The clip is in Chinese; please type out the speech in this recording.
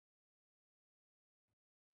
琉球位阶是琉球国的身分序列。